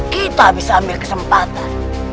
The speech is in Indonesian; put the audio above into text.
kita bisa ambil kesempatan